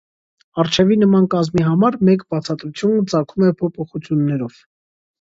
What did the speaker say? Առջևի նման կազմի համար մեկ բացատրություն ծագում է փոփոխություններով։